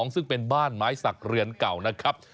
ซึ่งเป็นบ้านไม้สักเรือนเก่านะครับ